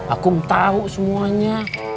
akum tahu semuanya